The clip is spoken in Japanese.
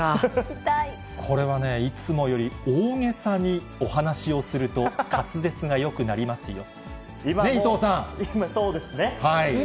これはね、いつもより大げさにお話しをすると、滑舌がよくなりますよ。